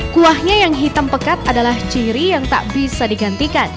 kuahnya yang hitam pekat adalah ciri yang tak bisa digantikan